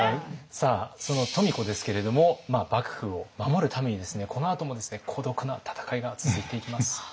さあその富子ですけれども幕府を守るためにこのあとも孤独な闘いが続いていきます。